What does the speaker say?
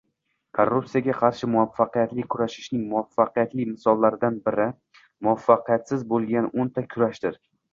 Korrupsiyaga qarshi muvaffaqiyatli kurashishning muvaffaqiyatli misollaridan biri muvaffaqiyatsiz bo'lgan o'nta kurashdir